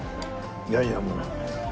いやいやもう。